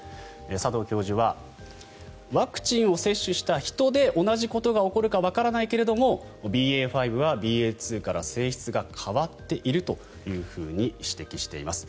佐藤教授はワクチンを接種した人で同じことが起こるかわからないけれどもＢＡ．５はＢＡ．２から性質が変わっているというふうに指摘しています。